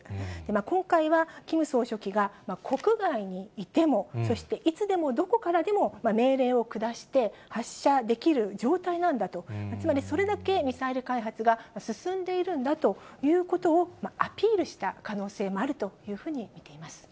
今回はキム総書記が国外にいても、そしていつでも、どこからでも、命令を下して発射できる状態なんだと、つまり、それだけミサイル開発が進んでいるんだということをアピールした可能性もあるというふうに見ています。